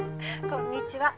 こんにちは。